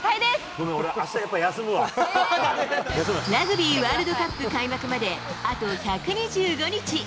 ごめん、俺、やっぱあした休ラグビーワールドカップ開幕まであと１２５日。